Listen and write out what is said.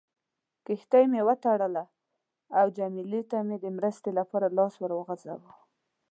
کښتۍ مې وتړله او جميله ته مې د مرستې لپاره لاس ور وغځاوه.